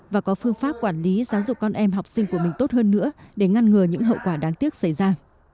và có phương pháp quản lý giáo dục con em học sinh của mình tốt hơn nữa để ngăn ngừa những hậu quả đáng tiếc xảy ra